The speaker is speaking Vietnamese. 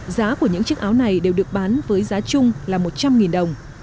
giá của những chiếc áo này đều được bán với giá chung là một trăm linh đồng